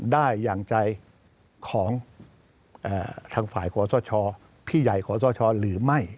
ได้อย่างใจของทางฝ่ายขอสชพี่ใหญ่ขอสชหรือไม่